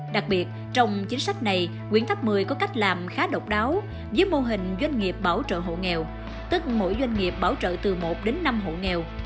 đặc biệt trong chính sách này quyện tháp một mươi có cách làm khá độc đáo với mô hình doanh nghiệp bảo trợ hộ nghèo tức mỗi doanh nghiệp bảo trợ từ một đến năm hộ nghèo